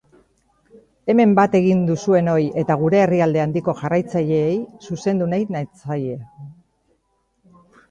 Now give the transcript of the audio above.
Hemen bat egin duzuenoi eta gure herrialde handiko jarraitzaileei zuzendu nahi natzaie.